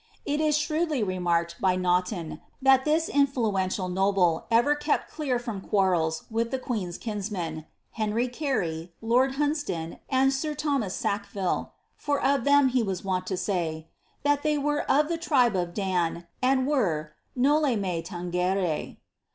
It is shrewdly remarked by Naunton, that this influential noble ever kept clear from quarrels with the queen's kinsmen, Henry Carey, lord Hunsdon,' and sir Thomas SKkville, for of them he was wont to say, ^ that they were of the trite of Dan, and were noli me tangere?'